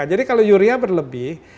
jadi kalau yuria berlebih